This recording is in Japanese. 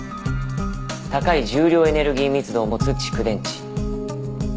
高い重量エネルギー密度を持つ蓄電池。